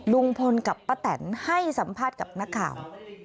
ลุงพลกับป้าแตนให้สัมภาษณ์กับนักข่าว